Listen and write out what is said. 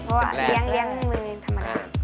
เพราะเลี้ยงมือธรรมดา